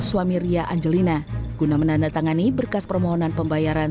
suami ria angelina guna menandatangani berkas permohonan pembayaran